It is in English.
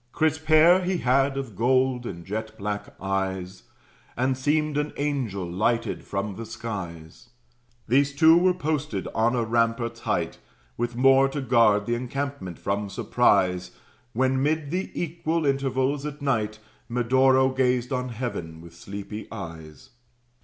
Crisp hair he had of gold, and jet black eyes; And seemed an angel lighted from the skies. These two were posted on a rampart's height, With more to guard the encampment from surprise, When 'mid the equal intervals, at night, Medoro gazed on heaven with sleepy eyes.